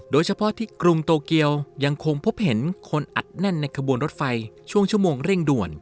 โดยเฉพาะที่กรุงโตเกียวยังคงพบเห็นคนอัดแน่นในขบวนรถไฟช่วงชั่วโมงเร่งด่วน